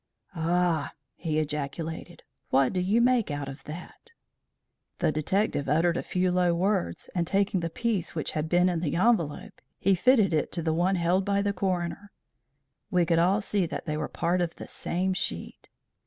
"Ah!" he ejaculated. "What do you make out of that?" The detective uttered a few low words, and taking the piece which had been in the envelope he fitted it to the one held by the coroner. We could all see that they were part of the same sheet.